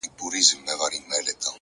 هره ورځ د نوې زده کړې امکان لري،